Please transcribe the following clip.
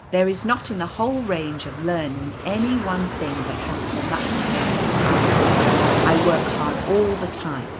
There is not in the whole range of learning any one thing that has so much to bear as I have. I work hard all the time.